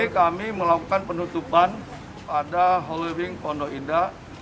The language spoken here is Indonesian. kami melakukan penutupan pada halloween kondo indah